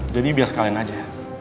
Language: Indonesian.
jadi bias kalian aja